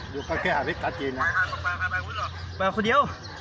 อยู่ข้างใน